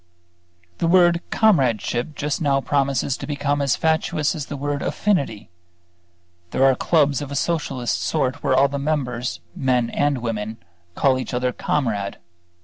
The word comradeship just now promises to become as fatuous as the word "affinity." There are clubs of a Socialist sort where all the members, men and women, call each other "Comrade."